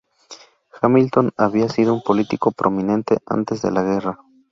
Hamilton había sido un político prominente antes de la guerra.